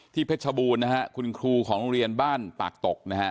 ที่เพชรบูรณ์คุณครูของโรงเรียนบ้านปากตก